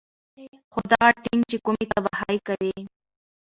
خو دغه ټېنک چې کومې تباهۍ کوي